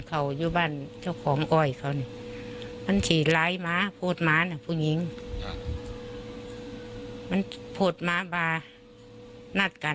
ก็ว่าลูกมันที่เหม็นผัวเขานั้นแหละกขายจากในนั้นก็เหมือนมีผัว